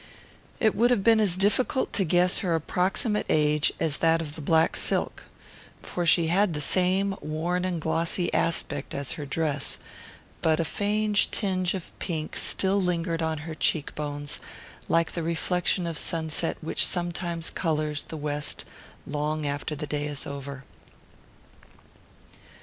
It would have been as difficult to guess her approximate age as that of the black silk, for she had the same worn and glossy aspect as her dress; but a faint tinge of pink still lingered on her cheek bones, like the reflection of sunset which sometimes colours the west long after the day is over.